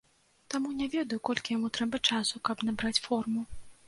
Таму не ведаю, колькі яму трэба часу, каб набраць форму.